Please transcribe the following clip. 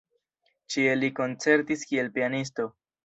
Ĉie li koncertis kiel pianisto.